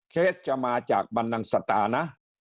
เคสจะมาจากบรรนังสตานะ